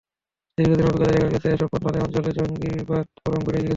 দীর্ঘদিনের অভিজ্ঞতায় দেখা গেছে, এসব পন্থা নেওয়ার ফলে জঙ্গিবাদ বরং বেড়েই গেছে।